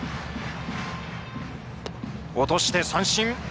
落として三振。